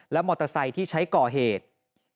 มอเตอร์ไซค์ที่ใช้ก่อเหตุ